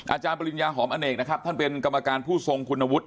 อาจารย์ปริญญาหอมอเนกนะครับท่านเป็นกรรมการผู้ทรงคุณวุฒิ